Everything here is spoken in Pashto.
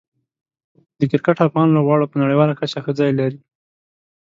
د کرکټ افغان لوبغاړو په نړیواله کچه ښه ځای لري.